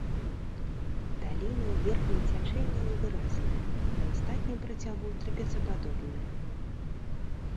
Даліна ў верхнім цячэнні невыразная, на астатнім працягу трапецападобная.